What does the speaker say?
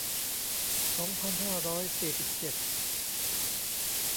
สองพันห้าร้อยสี่สิบเจ็ด